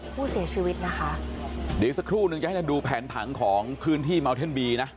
ผู้เสียชีวิตนะคะเดี๋ยวอีกสักครู่นึงจะให้ท่านดูแผนผังของพื้นที่เมาเท่นบีนะ